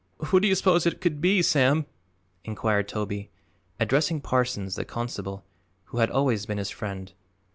Who do you suppose it could be, Sam?" inquired Toby, addressing Parsons, the constable, who had always been his friend.